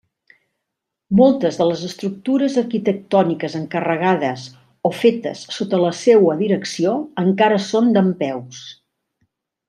Moltes de les estructures arquitectòniques encarregades o fetes sota la seua direcció encara són dempeus.